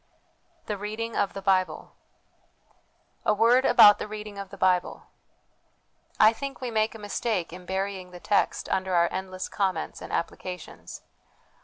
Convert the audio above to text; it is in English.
The Reading of the Bible. A word about the THE WILL CONSCIENCE DIVINE LIFE 349 reading of the Bible. I think we make a mistake in burying the text under our endless comments and applications.